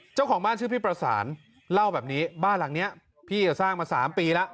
เจ้าของบ้านชื่อพี่ประสานเล่าแบบนี้บ้านหลังนี้พี่สร้างมา๓ปีแล้ว